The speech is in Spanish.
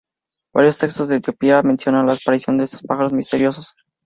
Varios textos de Etiopía mencionan la aparición de estos pájaros misteriosos.